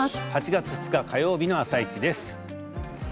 ８月２日火曜日の「あさイチ」です。